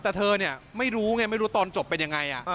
แต่เธอเนี่ยไม่รู้ไงไม่รู้ตอนจบเป็นยังไง